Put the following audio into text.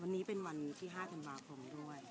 วันนี้เป็นวันที่๕ธันวาคมด้วย